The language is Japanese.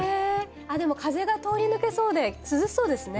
でも風が通り抜けそうで涼しそうですね。